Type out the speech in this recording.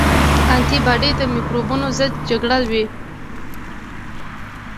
انټي باډي د مکروبونو ضد جګړه کوي